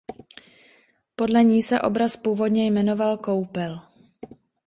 Podle ní se obraz původně jmenoval "Koupel".